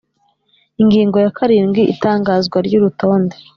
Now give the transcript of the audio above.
Ingingo ya karindwi Itangazwa ry urutonde